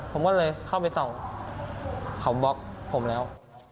ผมก็เลยเข้าไปส่องเขาบล็อกผมแล้ว